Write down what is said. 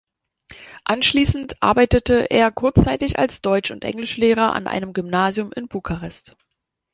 Anschließend arbeitete er kurzzeitig als Deutsch- und Englischlehrer an einem Gymnasium in Bukarest.